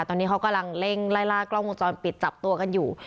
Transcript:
ตอนนี้เขากำลังเร่งไล่ล่ากล้องวงจรปิดจับตัวกันอยู่